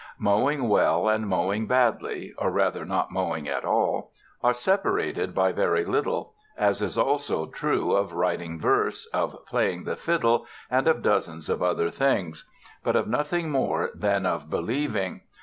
Mowing well and mowing badly or rather not mowing at all are separated by very little; as is also true of writing verse, of playing the fiddle, and of dozens of other things, but of nothing more than of believing.